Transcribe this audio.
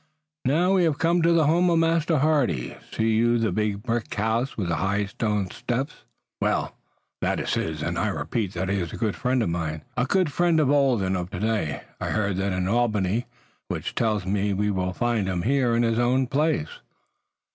Now we have come to the home of Master Hardy. See you the big brick house with high stone steps? Well, that is his, and I repeat that he is a good friend of mine, a good friend of old and of today. I heard that in Albany, which tells me we will find him here in his own place."